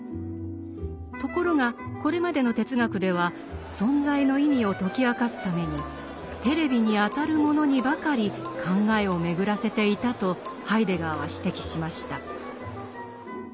ところがこれまでの哲学では「存在」の意味を解き明かすために「テレビ」にあたるものにばかり考えを巡らせていたとハイデガーは指摘しました。